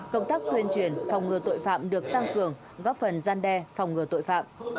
công tác tuyên truyền phòng ngừa tội phạm được tăng cường góp phần gian đe phòng ngừa tội phạm